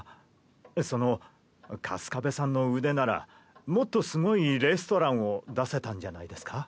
その粕壁さんの腕ならもっとすごいレストランを出せたんじゃないですか？